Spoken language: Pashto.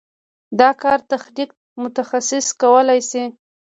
دا کار تخنیکي متخصصین کولی شي.